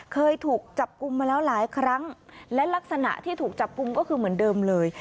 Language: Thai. เคยถูกจับกลุ่มมาแล้วหลายครั้งและลักษณะที่ถูกจับกลุ่มก็คือเหมือนเดิมเลย